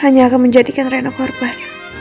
hanya akan menjadikan reno korban